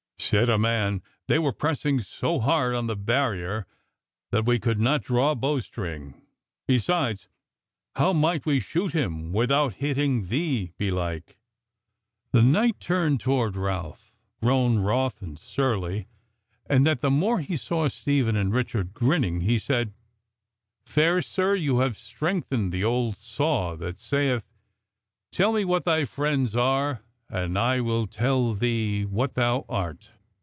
Said a man: "They were pressing so hard on the barrier, that we could not draw a bowstring. Besides, how might we shoot him without hitting thee, belike?" The knight turned toward Ralph, grown wroth and surly, and that the more he saw Stephen and Richard grinning; he said: "Fair sir, ye have strengthened the old saw that saith, Tell me what thy friends are, and I will tell thee what thou art.